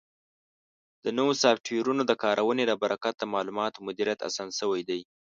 د نوو سافټویرونو د کارونې له برکت د معلوماتو مدیریت اسان شوی دی.